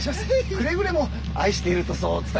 くれぐれも愛しているとそうお伝えください。